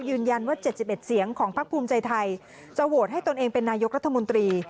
ยืนยันว่า๗๑เสียงของพักภูมิใจไทยจะโหวตให้ตนเองเป็นนายกรัฐมนตรี